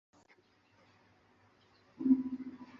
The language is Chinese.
中华民国中将参军。